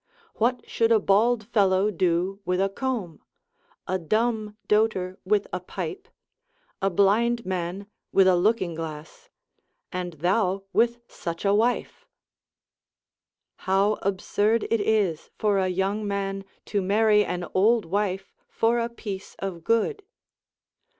What should a bald fellow do with a comb, a dumb doter with a pipe, a blind man with a looking glass, and thou with such a wife? How absurd it is for a young man to marry an old wife for a piece of good.